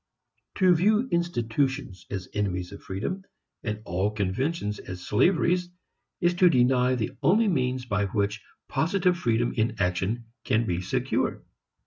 To view institutions as enemies of freedom, and all conventions as slaveries, is to deny the only means by which positive freedom in action can be secured.